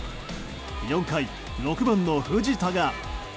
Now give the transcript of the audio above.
４回、６番の藤田が。